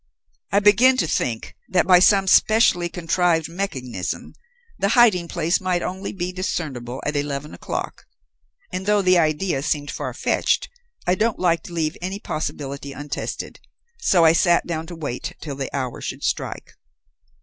I began to think that by some specially contrived mechanism the hiding place might only be discernible at eleven o'clock, and though the idea seemed farfetched, I don't like to leave any possibility untested, so I sat down to wait till the hour should strike.